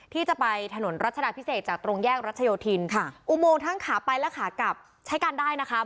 ที่จะไปถนนรัชดาพิเศษจากตรงแยกรัชโยธินค่ะอุโมงทั้งขาไปและขากลับใช้การได้นะคะ